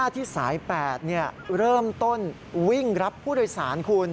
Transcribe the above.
ที่สาย๘เริ่มต้นวิ่งรับผู้โดยสารคุณ